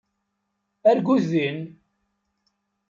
Argut din!